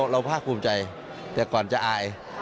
ภาคภูมิใจแต่ก่อนจะอาย